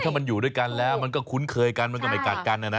ถ้ามันอยู่ด้วยกันแล้วมันก็คุ้นเคยกันมันก็ไม่กัดกันนะนะ